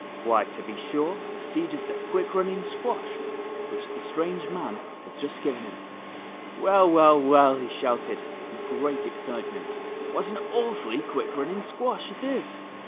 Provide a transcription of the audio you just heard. Why, to be sure, the seed of the quick running squash which the strange man had just given him. "Well, well, w^ell," he shouted, in great ex citement, " w^hat an awfully quick running squash it is.